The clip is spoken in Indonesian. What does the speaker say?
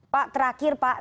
pak terakhir pak